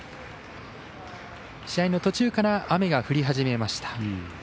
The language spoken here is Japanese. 試合の途中から雨が降り始めました。